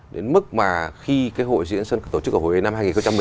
đến mức mà khi cái hội diễn sân tổ chức ở huế năm hai nghìn một mươi hai